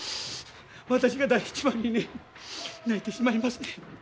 私が第一番にね泣いてしまいますねん。